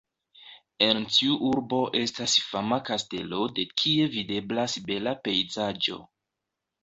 En tiu urbo estas fama kastelo de kie videblas bela pejzaĝo.